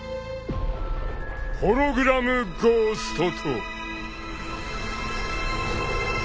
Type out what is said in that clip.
［「ホログラムゴースト」と］